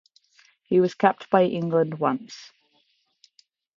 He was capped by England once.